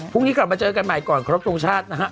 พรุ่งนี้กลับมาเจอกันใหม่ก่อนครบทรงชาตินะฮะ